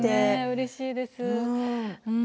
うれしいです。